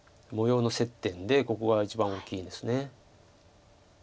模様の接点でここが一番大きいんです。